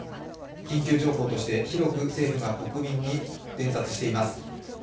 緊急情報として広く政府が国民に伝達しています。